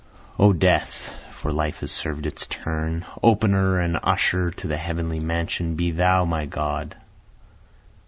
O Death, (for Life has served its turn,) Opener and usher to the heavenly mansion, Be thou my God.